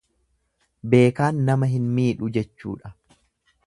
Beekaan nama hin miidhu jechuudha.